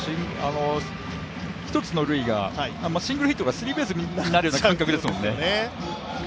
１つの塁が、シングルヒットがスリーベースになるような感覚ですよね。